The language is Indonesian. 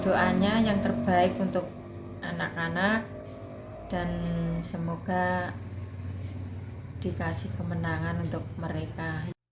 doanya yang terbaik untuk anak anak dan semoga dikasih kemenangan untuk mereka